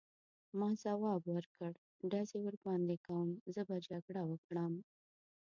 ما ځواب ورکړ: ډزې ورباندې کوم، زه به جګړه وکړم.